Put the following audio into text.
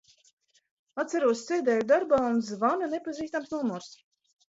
Atceros, sēdēju darbā un zvana nepazīstams numurs.